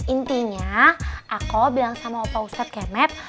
intinya aku bilang sama opa ustad kemet